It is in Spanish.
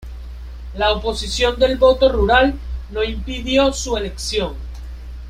La oposición del voto rural no impidió su elección.